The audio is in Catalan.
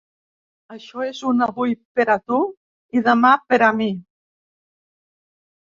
Això és un ‘avui per a tu i demà per a mi’.